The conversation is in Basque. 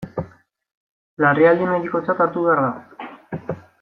Larrialdi medikotzat hartu behar da.